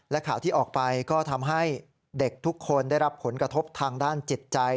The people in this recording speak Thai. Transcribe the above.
และข่าวที่ออกไปก็ทำให้เด็กทุกคนได้รับผลกระทบทางด้านจิตใจ